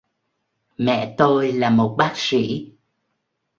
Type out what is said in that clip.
mẹ tôi là một bác sĩ